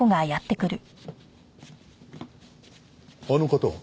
あの方は？